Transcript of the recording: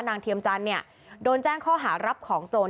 เทียมจันทร์เนี่ยโดนแจ้งข้อหารับของโจร